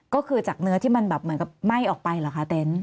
ก็คือจากเนื้อที่มันแบบเหมือนกับไหม้ออกไปเหรอคะเต็นต์